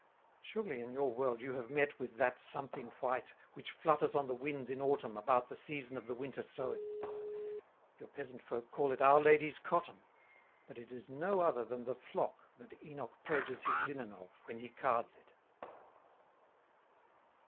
Surely in your world you have met with that something white, which flutters on the winds in Autumn about the season of the Winter sowings. Your peasant folk call it Our Lady's Cotton, but it is no other than the Flock that Enoch purges his Linen of, when he cards it."